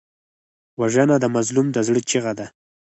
وژنه د مظلوم د زړه چیغه ده